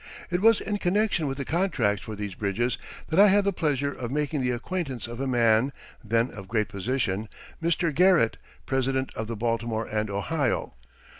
It was in connection with the contracts for these bridges that I had the pleasure of making the acquaintance of a man, then of great position, Mr. Garrett, president of the Baltimore and Ohio.